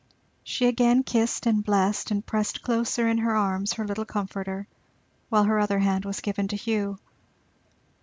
She again kissed and blessed and pressed closer in her arms her little comforter, while her other hand was given to Hugh.